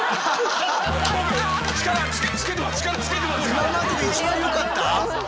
今までで一番よかった？